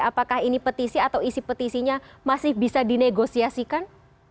apakah ini petisi atau isi petisinya masih bisa dinegosiasikan